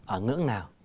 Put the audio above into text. ở ngưỡng nào